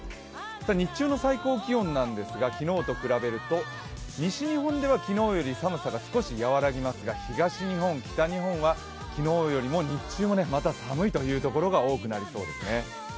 日中の最高気温なんですが、昨日と比べると西日本では昨日より寒さが少し和らぎますが東日本、北日本は昨日よりも日中もまた寒いというところが多くなりそうですね。